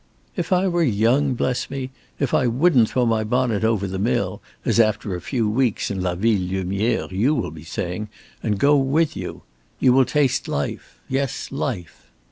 If I were young, bless me, if I wouldn't throw my bonnet over the mill, as after a few weeks in La Ville Lumière you will be saying, and go with you. You will taste life yes, life."